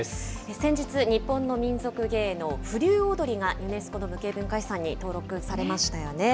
先日、日本の民俗芸能、風流踊がユネスコの無形文化遺産に登録されましたよね。